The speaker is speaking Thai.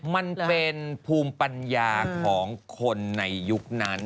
มันเป็นภูมิปัญญาของคนในยุคนั้น